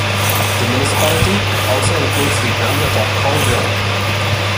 The municipality also includes the hamlet of Kollbrunn.